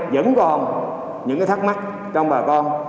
vẫn còn những thắc mắc trong bà con